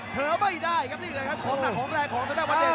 เธอไม่ได้ครับนี่แหละครับของหนักของแรงของธนาวันเดช